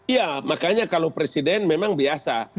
ya makanya kalau presiden memang biasa